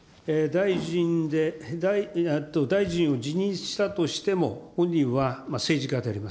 大臣を辞任したとしても本人は政治家であります。